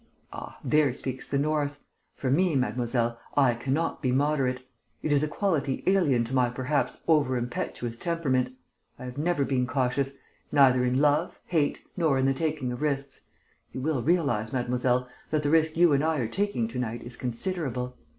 "Ah, there speaks the north. For me, mademoiselle, I cannot be moderate; it is a quality alien to my perhaps over impetuous temperament. I have never been cautious neither in love, hate, nor in the taking of risks. You will realise, Mademoiselle, that the risk you and I are taking to night is considerable.